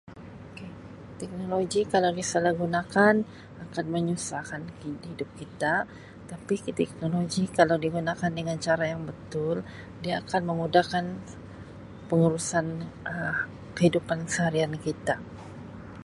Ok teknologi kalau disalah gunakan akan menyusahkan hidup kita tapi teknologi kalau digunakan dengan cara yang betul dia akan memudahkan pengurusan Um kehidupan seharian kita.